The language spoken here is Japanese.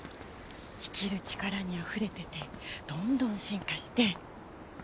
生きる力にあふれててどんどん進化して目が離せない。